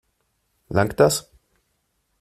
Langt das?